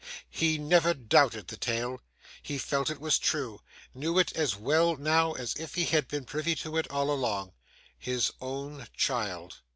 He never doubted the tale; he felt it was true; knew it as well, now, as if he had been privy to it all along. His own child!